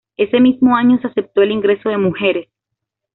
Ese mismo año se aceptó el ingreso de mujeres.